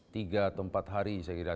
tiga atau empat hari saya kira